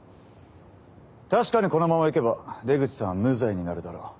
確かにこのままいけば出口さんは無罪になるだろう。